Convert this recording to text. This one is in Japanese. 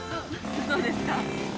どうですか？